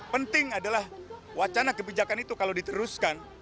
penting adalah wacana kebijakan itu kalau diteruskan